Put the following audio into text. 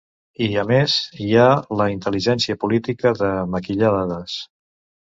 I, a més, hi ha la intel·ligència política de maquillar dades.